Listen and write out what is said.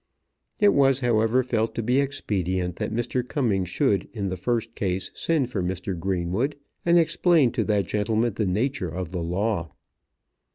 It was, however, felt to be expedient that Mr. Cumming should in the first case send for Mr. Greenwood, and explain to that gentleman the nature of the law.